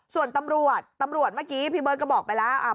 ส่วนตำรวจตำรวจเมื่อกี้พี่เบิร์ตก็บอกไปแล้ว